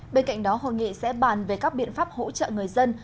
bên cạnh đó hội nghị sẽ bàn về các biện pháp hỗ trợ người dân